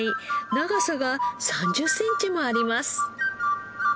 長さが３０センチもあります。